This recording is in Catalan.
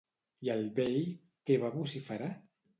I el vell què va vociferar?